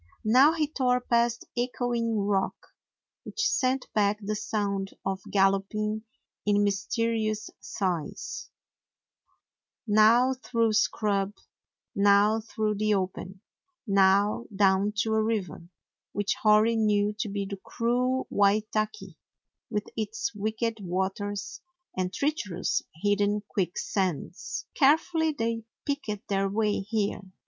Now he tore past Echoing Rock, which sent back the sound of galloping in mysterious sighs; now through scrub, now through the open ; now down to a river, which Hori knew to be the cruel Waitaki, with its wicked waters and treacherous, hidden quick sands. Carefully they picked their way here.